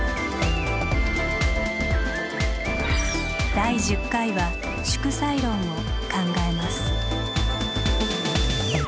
第１０回は「祝祭論」を考えます。